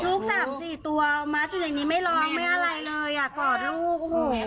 ลูกสามสี่ตัวมัดอยู่ในนี้ไม่ร้องไม่อะไรเลยอ่ะกอดลูกโอ้โห